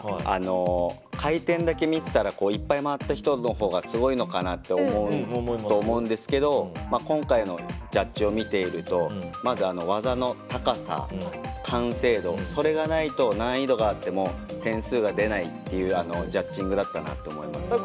回転だけ見ていたらいっぱい回っている人のほうがすごいのかなと思うと思うんですが今回のジャッジを見ているとまず技の高さ、完成度それがないと難易度があっても点数が出ないというジャッジングだったなと思います。